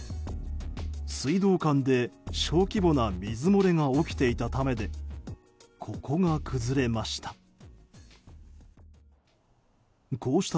水道管で小規模な水漏れが起きていたためでここが崩れました。